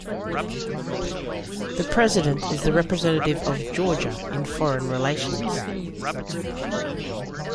The President is the representative of Georgia in foreign relations.